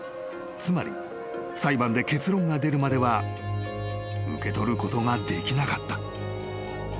［つまり裁判で結論が出るまでは受け取ることができなかった］